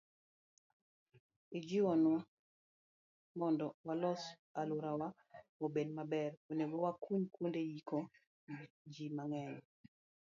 Ijiwowa ni mondo walos alworawa obed maber, onego wakuny kuonde yiko ji mang'eny.